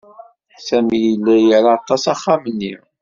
Sami yella ira aṭas axxam-nni.